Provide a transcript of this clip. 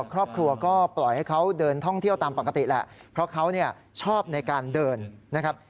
ครอบครัวก็ปล่อยให้เขาเดินท่องเที่ยวตามปกติแหละเพราะเขาชอบในการเดินนะครับ